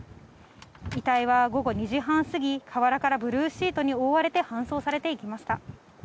遺体は午後２時半過ぎ、河原からブルーシートに覆われて搬送されていきました。